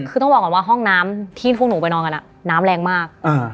คือต้องบอกก่อนว่าห้องน้ำที่พวกหนูไปนอนกันน้ำแรงมาก